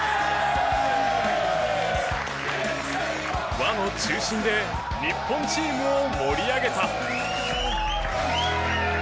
輪の中心で日本チームを盛り上げた。